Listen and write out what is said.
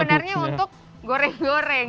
ini sih sebenarnya untuk goreng goreng ya